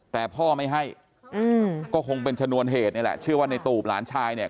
แต่พ่อไม่ให้อืมก็คงเป็นชนวนเหตุนี่แหละเชื่อว่าในตูบหลานชายเนี่ย